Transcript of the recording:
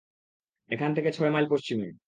এখান থেকে ছয় মাইল পশ্চিমে।